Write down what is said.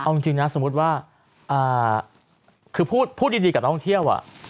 เอาจริงนะสมมุติว่าคือพูดดีกับนักท่องเที่ยว